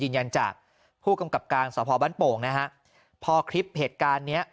ยืนยันจากผู้กำกับการสพบ้านโป่งนะฮะพอคลิปเหตุการณ์เนี้ย